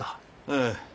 ええ。